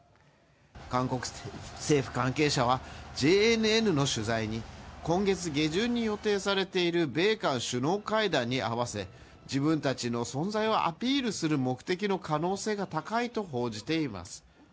韓国政府関係者はＪＮＮの取材に今月下旬に予定されている米韓首脳会談に合わせ自分たちの存在をアピールする目的の可能性が高いと報じています。